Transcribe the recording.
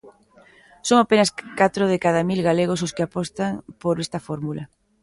Son apenas catro de cada mil galegos os que apostan por esta fórmula.